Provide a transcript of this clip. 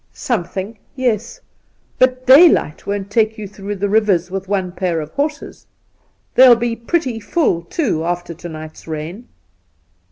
' Something — yes ; but daylight won't take you through the rivers with one pair of horses. They'll be pretty full, too, after to night's rain.'